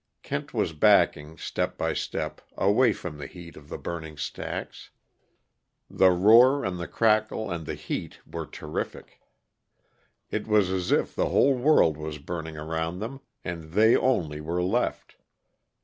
Kent was backing, step by step, away from the heat of the burning stacks. The roar, and the crackle, and the heat were terrific; it was as if the whole world was burning around them, and they only were left.